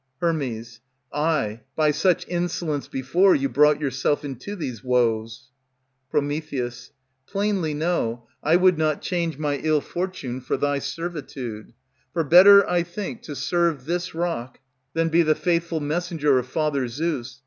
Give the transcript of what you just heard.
Her. Ay, by such insolence before You brought yourself into these woes. Pr. Plainly know, I would not change My ill fortune for thy servitude, For better, I think, to serve this rock Than be the faithful messenger of Father Zeus.